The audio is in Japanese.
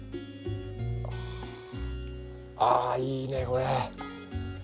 ああいいねこれ。